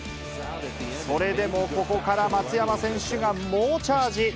それでもここから松山選手が猛チャージ。